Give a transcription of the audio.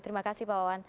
terima kasih bapak bapak